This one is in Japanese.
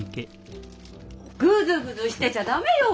グズグズしてちゃ駄目よ。